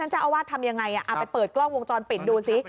ท่านเจ้าอาวาสทำอย่างไรไปเปิดกล้องวงจรเปลี่ยนดูสิ